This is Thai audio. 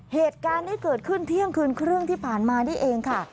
เหตุการณ์นี้เกิดขึ้นเที่ยงคืนครึ่งที่ผ่านมานี่เองค่ะ